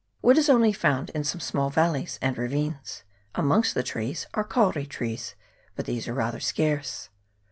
Wood is only found in some small valleys and ravines. Amongst the trees are kauri trees, but these are rather scarce.